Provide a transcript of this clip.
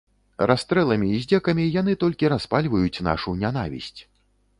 Расстрэламі і здзекамі яны толькі распальваюць нашу нянавісць.